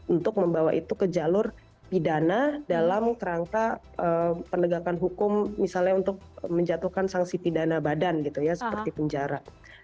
untuk membawa itu ke jalur pidana dalam kerangka penegakan hukum misalnya untuk menjatuhkan sanksi pidana badan gitu ya seperti penjara